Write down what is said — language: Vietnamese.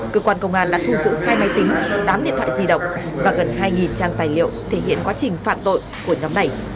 cơ quan công an đã thu giữ hai máy tính tám điện thoại di động và gần hai trang tài liệu thể hiện quá trình phạm tội của nhóm này